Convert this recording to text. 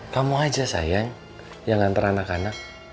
kamu aja sayang yang ngantar anak anak